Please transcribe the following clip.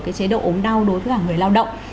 cái chế độ ốm đau đối với cả người lao động